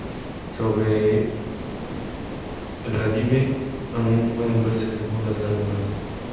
Sobre el adarve aún pueden verse algunas gárgolas.